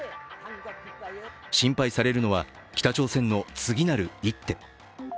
心配されるのは北朝鮮の次なる一手。